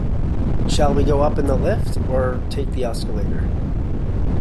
Shall we go up in the lift, or take the escalator?